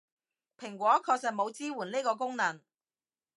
蘋果確實冇支援呢個功能